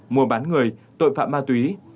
mùa bán người tội phạm ma túy